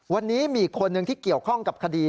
วันนี้มีอีกคนนึงที่เกี่ยวข้องกับคดี